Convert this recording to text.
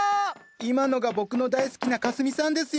今のが僕の大好きなかすみさんですよ。